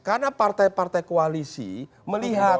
karena partai partai koalisi melihat